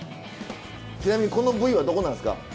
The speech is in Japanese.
ちなみにこの部位はどこなんですか？